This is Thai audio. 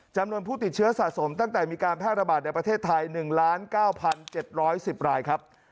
จำนวนผู้ติดเชื้อสะสมตั้งแต่มีการแพร่ระบาดในประเทศไทย๑๙๗๑๐รายครับ